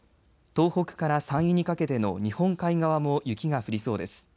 東北から山陰にかけての日本海側も雪が降りそうです。